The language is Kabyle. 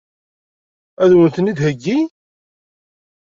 Ad wen-ten-id-theggi?